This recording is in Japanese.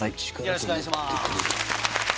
よろしくお願いします。